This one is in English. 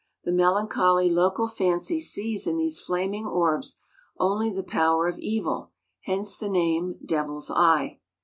The melancholy local fancy sees in these flaming orbs only the power of evil, hence the name "Devil's eye."